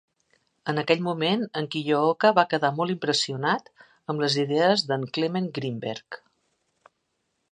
En aquell moment, en Kiyooka va quedar molt impressionat amb les idees d'en Clement Greenberg.